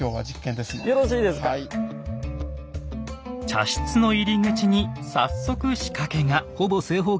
茶室の入口に早速仕掛けが！